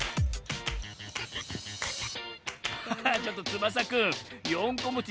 ハハッちょっとつばさくん４こもち